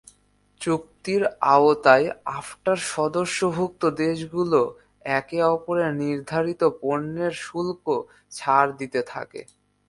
চুক্তির আওতায় আপটার সদস্যভুক্ত দেশগুলো একে অপরের নির্ধারিত পণ্যের শুল্ক ছাড় দিয়ে থাকে।